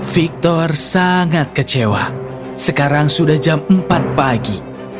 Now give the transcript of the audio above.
victor sangat kecewa sekarang sudah jam empat pagi